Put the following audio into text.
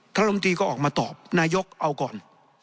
ลมตรีก็ออกมาตอบนายกเอาก่อน